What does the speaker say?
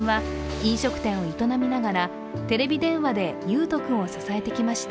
日本に残った父・智春さんは飲食店を営みながらテレビ電話で維斗君を支えてきました。